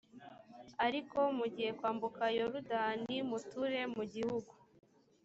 ariko mugiye kwambuka yorudani, muture mu gihugu